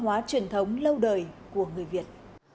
hóa truyền thống lâu đời của người việt